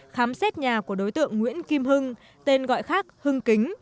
khám xét nhà của đối tượng nguyễn kim hưng tên gọi khác hưng kính